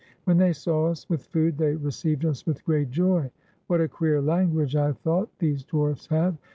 When they saw us with food they received us with great joy. "What a queer language," I thought, "these dwarfs have!"